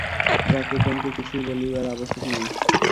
যাক, উপেনকে কিছুই বলিবার আবশ্যক নাই।